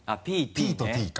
「Ｐ」と「Ｔ」か。